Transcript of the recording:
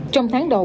trong tháng đầu